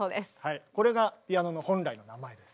これがピアノの本来の名前です。